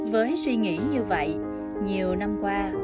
với suy nghĩ như vậy nhiều năm qua